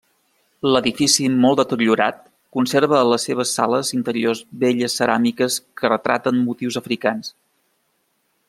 L'edifici molt deteriorat conserva a les seves sales interiors belles ceràmiques que retraten motius africans.